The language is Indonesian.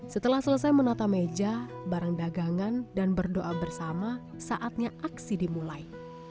setelah selesai menata meja barang dagangan dan berdoa bersama saatnya aksi dimulai